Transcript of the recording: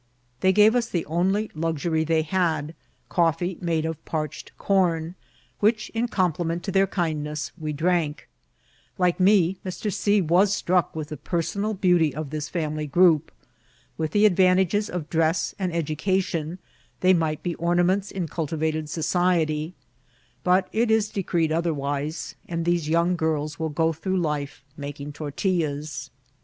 They gave us the only luxury they had, coffee made of parched com, which, in compliment to their kindness, we drank. Like me, Mr. C. was struck with the personal beauty of this family group. With the advantages of dress and education, they might be ornaments in cultivated society ; but it is decreed otherwise, and these young girls will go through life making tortillas.